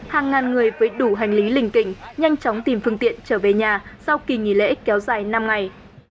hàng ngàn người với đủ hành lý lình kỉnh nhanh chóng tìm phương tiện trở về nhà sau kỳ nghỉ lễ kéo dài năm ngày